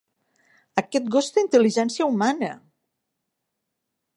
Aquest gos té intel·ligència humana!